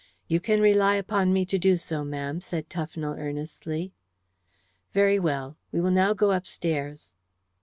"You can rely upon me to do so, ma'am," said Tufnell earnestly. "Very well. We will now go upstairs."